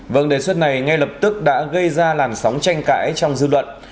vâng đề xuất này ngay lập tức đã gây ra làn sóng tranh cãi trong dư luận